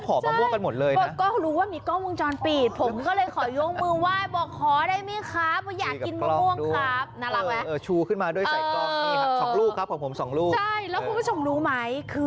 ขอมะม่วงหน่อยครับขอมะม่วงหน่อยครับ